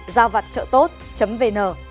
giao vặt trợ tốt vn